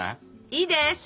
いいです！